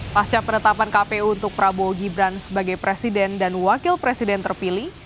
pasca penetapan kpu untuk prabowo gibran sebagai presiden dan wakil presiden terpilih